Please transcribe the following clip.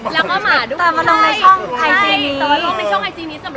แล้วก็หมาในช่องไอจีเหมือนกัน